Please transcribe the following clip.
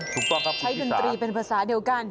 ถูกต้องครับใช้ดนตรีเป็นภาษาเดียวกัน